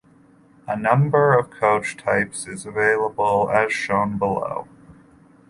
A number of coach types is available as shown below.